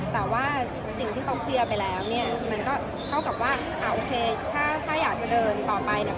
แต่ว่าสิ่งที่เขาเคลียร์ไปแล้วเนี่ยมันก็เท่ากับว่าโอเคถ้าอยากจะเดินต่อไปเนี่ย